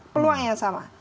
peluang yang sama